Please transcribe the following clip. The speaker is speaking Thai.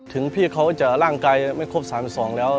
พี่เขาจะร่างกายไม่ครบ๓๒แล้ว